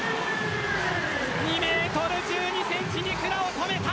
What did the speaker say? ２ｍ１２ｃｍ、ニクラを止めた。